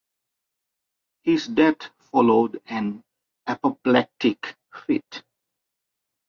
His death followed an apoplectic fit.